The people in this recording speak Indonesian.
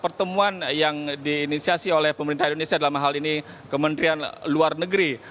pertemuan yang diinisiasi oleh pemerintah indonesia dalam hal ini kementerian luar negeri